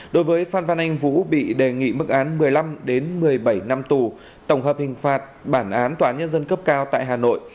đối với phan văn anh vũ bị đề nghị mức án một mươi năm một mươi bảy năm tù tổng hợp hình phạt bản án tòa nhân dân cấp cao tại hà nội